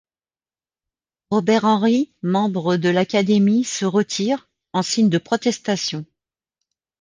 Robert Henri, membre de l'Academy, se retire, en signe de protestation.